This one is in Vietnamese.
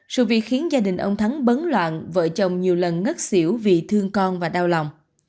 sự việc khiến gia đình ông thắng bấn loạn vợ chồng nhiều lần ngất xỉu vì thương con và đau lòng